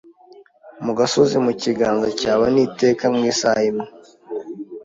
mu gasozi mu kiganza cyawe niteka mu isaha imwe